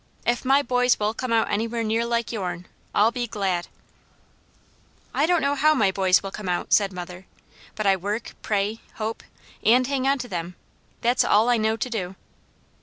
If my boys will come out anywhere near like yourn, I'll be glad." "I don't know how my boys will come out," said mother. "But I work, pray, hope, and hang to them; that's all I know to do."